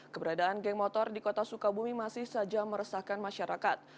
keberadaan geng motor di kota sukabumi masih saja meresahkan masyarakat